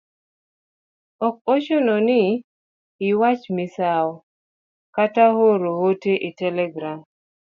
Ok ochuno ni iwach ni misawa kata oro ote e telegram.